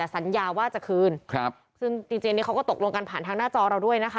สัญญาว่าจะคืนครับซึ่งดีเจนี้เขาก็ตกลงกันผ่านทางหน้าจอเราด้วยนะคะ